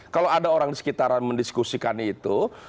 kalau ada orang di sekitaran mendiskusikan itu